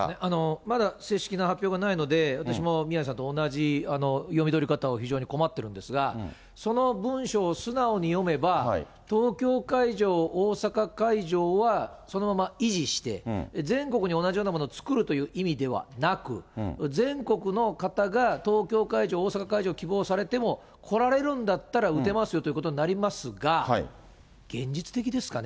まだ正式な発表がないので、私も宮根さんと同じ読み取り方を、非常に困ってるんですが、その文章を素直に読めば、東京会場、大阪会場はそのまま維持して、全国に同じようなものを作るという意味ではなく、全国の方が東京会場、大阪会場希望されても、来られるんだったら打てますよということになりますが、現実的ですかね？